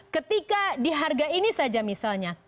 ketika di harga ini saja misalnya